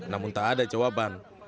namun tak ada jawaban